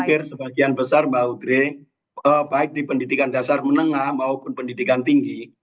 hampir sebagian besar mbak putri baik di pendidikan dasar menengah maupun pendidikan tinggi